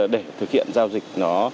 để thực hiện giao dịch nó